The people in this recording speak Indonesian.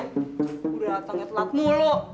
udah datengnya telat mulu